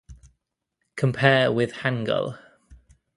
Compare with hangul.